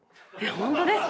本当ですか。